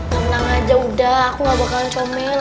tenang aja udah aku gak bakalan comil